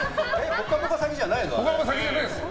「ぽかぽか」先じゃないです。